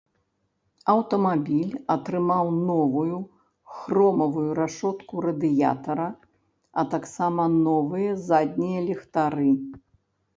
Аўтамабіль атрымаў новую, хромавую рашотку радыятара, а таксама новыя заднія ліхтары.